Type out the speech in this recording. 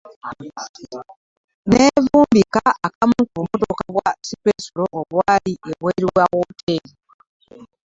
Nneevumbika akamu ku bumotoka bwa sipensulo obwali ebweru wa wooteeri.